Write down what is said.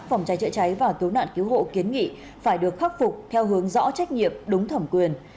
phòng trái trịa trái và cứu nạn cứu hộ kiến nghị phải được khắc phục theo hướng rõ trách nhiệm đúng thẩm quyền